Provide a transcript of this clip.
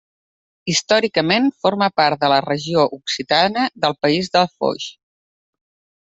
Històricament forma part de la regió occitana del país de Foix.